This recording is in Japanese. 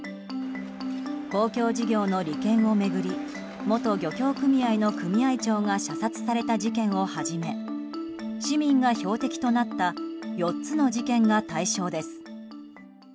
公共事業の利権を巡り元漁協組合の組合長が射殺された事件をはじめ市民が標的となった４つの事件が対象です。